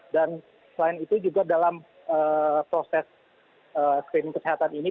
dan selain itu juga dalam proses cleaning kesehatan ini